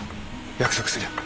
約束するよ。